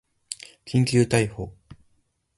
緊急逮捕